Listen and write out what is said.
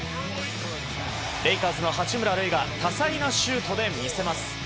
レイカーズの八村塁が多彩なシュートで見せます。